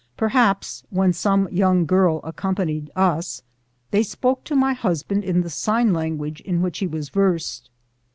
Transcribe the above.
Perhaps, when some young girl accompanied us, they spoke to my hus band in the sign language, in which he was versed.